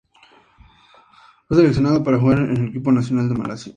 Más tarde, fue seleccionado para jugar en el equipo nacional de Malasia.